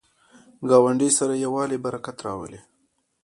ګاونډي سره یووالی، برکت راولي